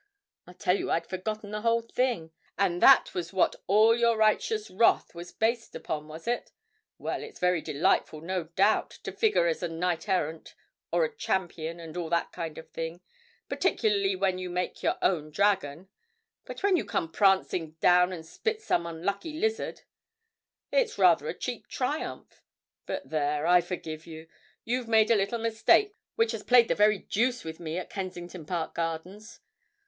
I tell you I'd forgotten the whole thing. And that was what all your righteous wrath was based upon, was it? Well, it's very delightful, no doubt, to figure as a knight errant, or a champion, and all that kind of thing particularly when you make your own dragon but when you come prancing down and spit some unlucky lizard, it's rather a cheap triumph. But there, I forgive you. You've made a little mistake which has played the very deuce with me at Kensington Park Gardens.